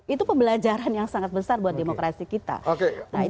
itu pembelajaran yang sangat besar buat demokrasi kita